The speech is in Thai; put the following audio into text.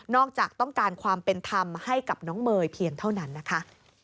จากต้องการความเป็นธรรมให้กับน้องเมย์เพียงเท่านั้นนะคะ